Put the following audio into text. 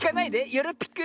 よろぴく。